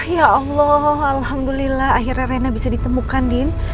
ya allah alhamdulillah akhirnya rena bisa ditemukan din